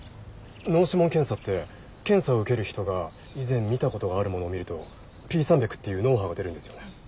脳指紋検査って検査を受ける人が以前見た事があるものを見るとＰ３００っていう脳波が出るんですよね。